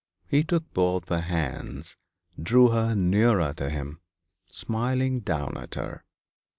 He took both her hands, drew her nearer to him, smiling down at her.